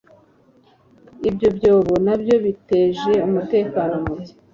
ibyo byobo na byo biteje umutekano muke